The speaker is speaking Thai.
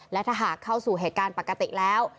และถ้าหากเข้าสู่เหตุการณ์ปกติแล้ว